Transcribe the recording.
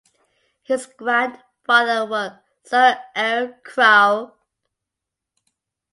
His grandfather was Sir Eyre Crowe.